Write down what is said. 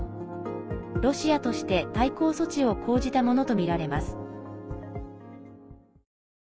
ロシアとして、対抗措置を講じたものとみられます。